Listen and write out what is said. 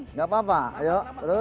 tidak apa apa ayo terus